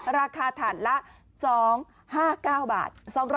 ราคาถาดละ๒๕๙บาท